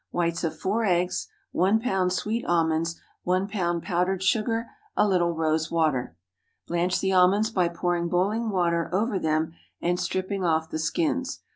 Whites of four eggs. 1 pound sweet almonds. 1 pound powdered sugar. A little rose water. Blanch the almonds by pouring boiling water over them and stripping off the skins.